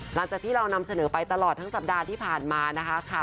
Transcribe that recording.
หลังจากที่เรานำเสนอไปตลอดทั้งสัปดาห์ที่ผ่านมานะคะ